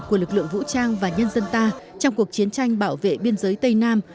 của lực lượng vũ trang và nhân dân ta trong cuộc chiến tranh bảo vệ biên giới tây nam